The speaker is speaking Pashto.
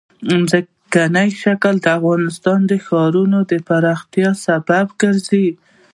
ځمکنی شکل د افغانستان د ښاري پراختیا سبب کېږي.